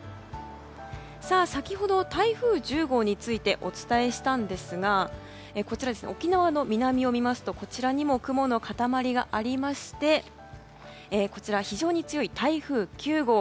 先ほど、台風１０号についてお伝えしたんですが沖縄の南を見るとこちらにも雲の塊がありましてこちら、非常に強い台風９号。